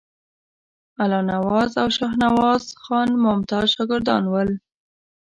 الله نواز او شاهنواز خان ممتاز شاګردان ول.